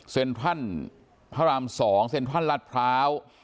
เซ็นทรัลพระราม๒เซ็นทรัลลาดพร้าว